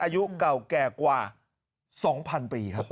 อายุเก่าแก่กว่า๒๐๐๐ปีครับ